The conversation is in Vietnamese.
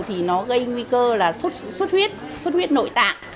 thì nó gây nguy cơ là sốt huyết sốt huyết nội tạng